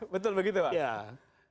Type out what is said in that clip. betul begitu pak